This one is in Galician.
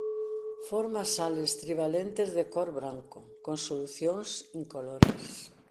Forma sales trivalentes de cor branco con solucións incoloras.